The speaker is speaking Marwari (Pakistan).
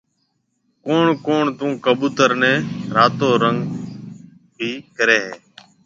ڪوُڻ ڪوُڻ تو ڪٻُوتر نَي راتو رنگ ڀِي ڪريَ هيَ۔